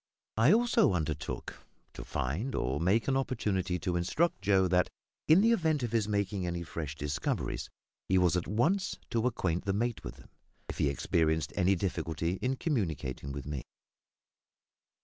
I also undertook to find or make an opportunity to instruct Joe that, in the event of his making any fresh discoveries, he was at once to acquaint the mate with them, if he experienced any difficulty in communicating with me.